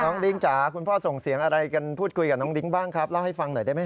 ดิ้งจ๋าคุณพ่อส่งเสียงอะไรกันพูดคุยกับน้องดิ้งบ้างครับเล่าให้ฟังหน่อยได้ไหม